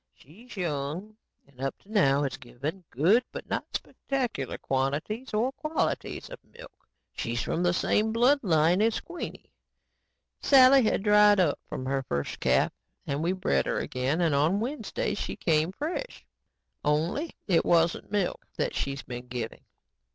She's young and up to now has given good but not spectacular quantities or qualities of milk. She's from the same blood line as Queenie. Sally had dried up from her first calf and we bred her again and on Wednesday she came fresh. Only it isn't milk that she's been giving.